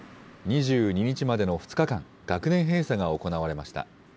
２２日までの２日間、学年閉鎖が行われました。